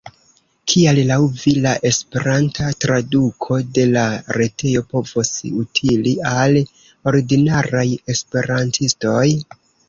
Kial laŭ vi la esperanta traduko de la retejo povos utili al ordinaraj esperantistoj?